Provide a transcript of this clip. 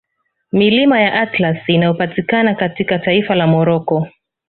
Milima ya Atlas inayopatikana katika taifa la Morocco